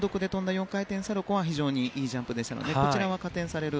４回転サルコウは非常にいいジャンプでしたのでこちらは加点される